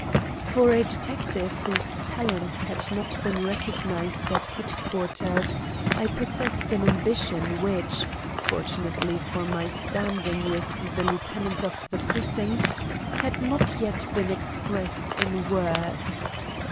For a detective whose talents, had not been recognized at headquarters, I possessed an ambition which, fortunately for my standing with the lieutenant of the precinct, had not yet been expressed in words.